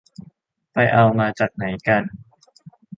ไปเอามาจากไหนกัน